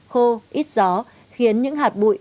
khô ít gió khiến những hạt bụi